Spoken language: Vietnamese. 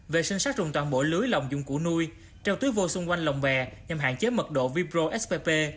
vệ sinh sát trùng toàn bộ lưới lồng dụng củ nuôi treo túi vô xung quanh lồng bè nhằm hạn chế mật độ vipro spp